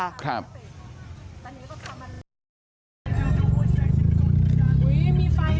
อุ้ยมีไฟด้วยมันมีไฟด้วย